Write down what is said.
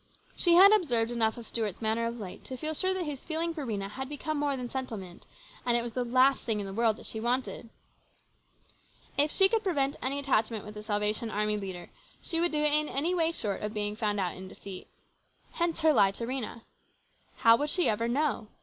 She had observed enough of Stuart's manner of late to feel sure that his feeling for Rhena had become more than sentiment ; and it was the last thing in the world that she wanted. If she could prevent any attachment with a Salvation Army leader, she would do it in any way short of being found out in deceit. Hence her lie to Rhena. How would she ever know ?